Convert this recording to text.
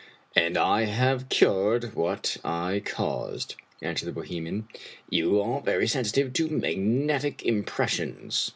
"And I have cured what I caused," answered the Bo hemian ;" you are very sensitive to magnetic impressions.